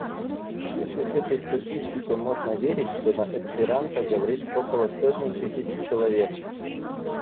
Если этой статистике можно верить, то на эсперанто говорит около сотни тысяч человек.